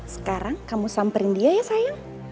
sekarang kamu samperin dia ya sayang